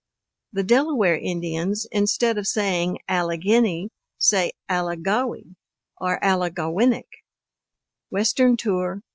The Delaware Indians, instead of saying "Alleghenny," say "Allegawe," or "Allegawenink," Western Tour p.